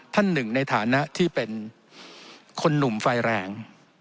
ท่านหนึ่งในฐานะที่เป็นคนหนุ่มไฟแรง